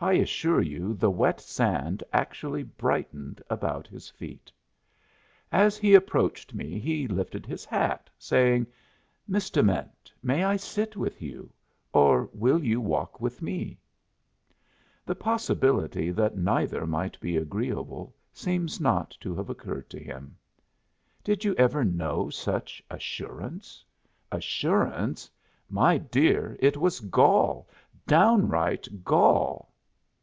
I assure you the wet sand actually brightened about his feet! As he approached me he lifted his hat, saying, "Miss Dement, may I sit with you? or will you walk with me?" The possibility that neither might be agreeable seems not to have occurred to him. Did you ever know such assurance? Assurance? My dear, it was gall, downright _gall!